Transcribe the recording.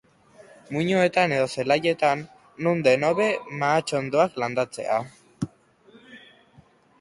Muinoetan edo zelaietan, non den hobe mahatsondoak landatzea.